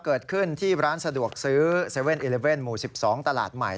เกิดขึ้นที่ร้านสะดวกซื้อ๗๑๑หมู่๑๒ตลาดใหม่